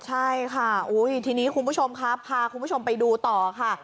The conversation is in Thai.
ใช่ค่ะทีนี้คุณผู้ชมครับพาคุณผู้ชมไปดูต่อค่ะ